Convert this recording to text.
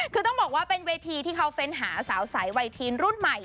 คือต้องบอกว่าเป็นเวทีที่เขาเฟ้นหาสาวสายไวทีนรุ่นใหม่